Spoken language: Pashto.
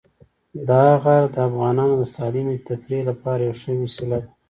دا غر د افغانانو د سالمې تفریح لپاره یوه ښه وسیله ده.